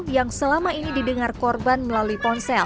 yang selama ini didengar korban melalui ponsel